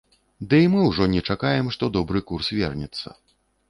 Ды і мы ўжо не чакаем, што добры курс вернецца.